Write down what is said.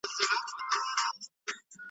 له نسیم سره له څانګو تویېدلای .